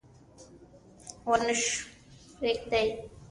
د نهروان کانال څلور سوه فوټه سور درلود.